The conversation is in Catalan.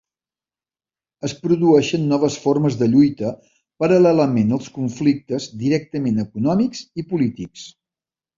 Es produeixen noves formes de lluita paral·lelament als conflictes directament econòmics i polítics.